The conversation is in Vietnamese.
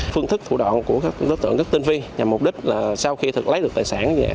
phương thức thủ đoạn của các đối tượng rất tinh vi nhằm mục đích là sau khi thật lấy được tài sản